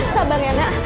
sabar ya nak